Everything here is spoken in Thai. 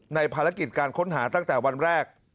ภารกิจการค้นหาตั้งแต่วันแรก